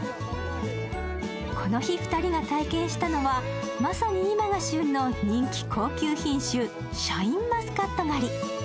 この日、２人が体験したのは、まさに今が旬の人気高級品種、シャインマスカット狩り。